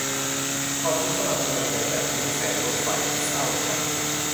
ขอบคุณสำหรับกำลังใจจากมิตรแฟนรถไฟ เศร้านัก